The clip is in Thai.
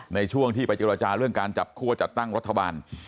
ในช่วงที่ไปเจรจาเรื่องการจับคั่วจัดตั้งรัฐบาล